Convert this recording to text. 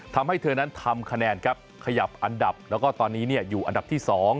ทำให้เธอนั้นทำคะแนนครับขยับอันดับแล้วก็ตอนนี้อยู่อันดับที่๒